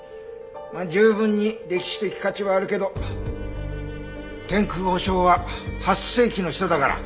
十分に歴史的価値はあるけど天空和尚は８世紀の人だから。